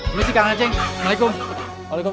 keluar dang jangan malu malu